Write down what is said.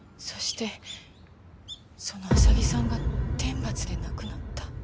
そしてその浅木さんが天罰で亡くなった。